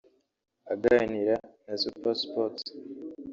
Aganira na Supersports